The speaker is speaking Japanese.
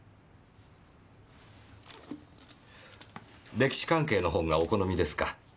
歴史関係の本がお好みですか？